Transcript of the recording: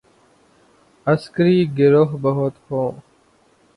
عسکری گروہ بہت ہوں۔